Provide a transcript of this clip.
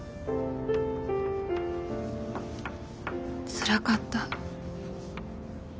つらかった。